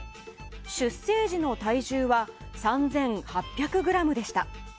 出生時の体重は３８００ｇでした。